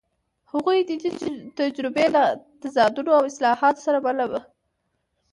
د هغوی دیني تجربه له تضادونو او اصلاحاتو سره مله وه.